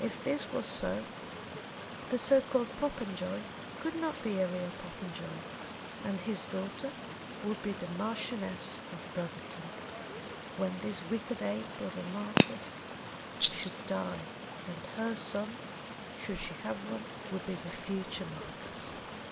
If this was so, the so called Popenjoy could not be a real Popenjoy, and his daughter would be Marchioness of Brotherton when this wicked ape of a marquis should die; and her son, should she have one, would be the future marquis.